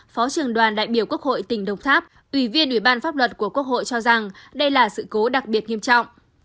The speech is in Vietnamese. phó trưởng đoàn đại biểu quốc hội tỉnh đồng tháp ủy viên ủy ban pháp luật của quốc hội cho rằng đây là sự cố đặc biệt nghiêm trọng